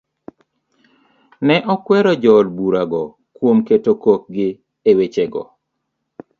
Ne okwero jood bura go kuom keto kokgi e wechego.